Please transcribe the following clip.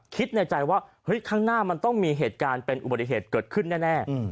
คิดในใจว่าเฮ้ยข้างหน้ามันต้องมีเหตุการณ์เป็นอุบัติเหตุเกิดขึ้นแน่